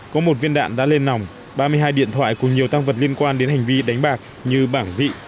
có một viên đạn đã lên nòng ba mươi hai điện thoại cùng nhiều tăng vật liên quan đến hành vi đánh bạc như bảng vị